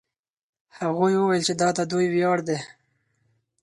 هغوی وویل چې دا د دوی ویاړ دی.